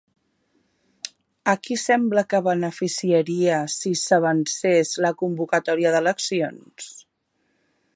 A qui sembla que beneficiaria si s'avancés la convocatòria d'eleccions?